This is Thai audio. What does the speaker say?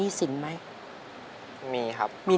โดยโปรแกรมแม่รักลูกมาก